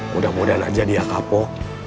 mudah mudahan aja dia kapok